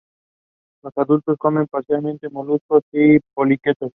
Los adultos comen principalmente moluscos y poliquetos.